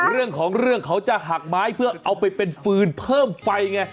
เรื่องของเรื่องเขาจะหักไม้เพื่อเอาไปเป็นฟืนเพิ่มไฟไง